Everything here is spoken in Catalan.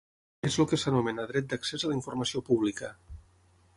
És el que s'anomena dret d'accés a la informació pública.